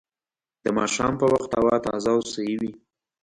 د ماښام په وخت هوا تازه او صحي وي